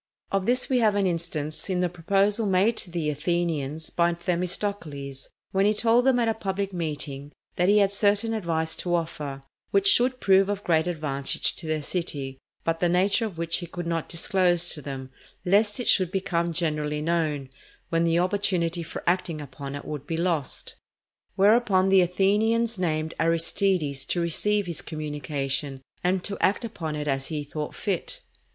Of this we have an instance in the proposal made to the Athenians by Themistocles, when he told them at a public meeting that he had certain advice to offer which would prove of great advantage to their city, but the nature of which he could not disclose to them, lest it should become generally known, when the opportunity for acting upon it would be lost. Whereupon the Athenians named Aristides to receive his communication, and to act upon it as he thought fit.